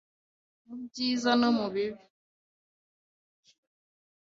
mu byiza no mu bibi